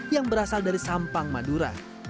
yang berasal dari sampang madura